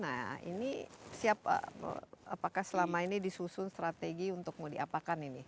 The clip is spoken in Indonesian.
nah ini siap apakah selama ini disusun strategi untuk mau diapakan ini